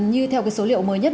như theo cái số liệu mới nhất